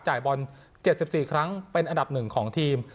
บอล๗๔ครั้งเป็นอันดับ๑ของทีม